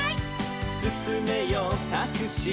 「すすめよタクシー」